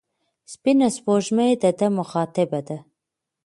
سپینه سپوږمۍ د ده مخاطبه ده.